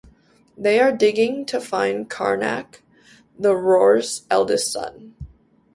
They are digging to find Carnac, The Roar's eldest son.